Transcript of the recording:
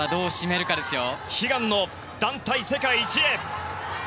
悲願の団体世界一へ！